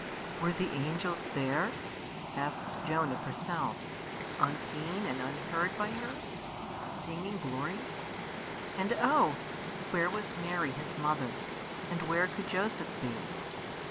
Were the angels there, asked Joan of herself, unseen and unheard by her, singing glory? And oh! where was Mary, His mother? and where could Joseph be?